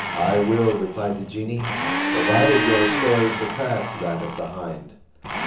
"I will," replied the genie, "provided your story surpass that of the hind."